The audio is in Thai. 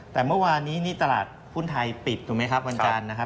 แต่เมื่อวานนี้นี่ตลาดหุ้นไทยปิดถูกไหมครับวันจันทร์นะครับ